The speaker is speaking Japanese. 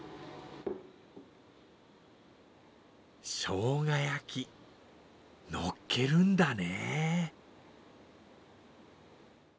しょうが焼き、のっけるんだね。